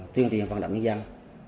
tuyên truyền phong trào nhân dân